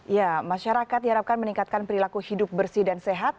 ya masyarakat diharapkan meningkatkan perilaku hidup bersih dan sehat